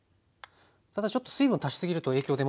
ちょっと水分足しすぎると影響出ますか？